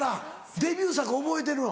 デビュー作覚えてるの？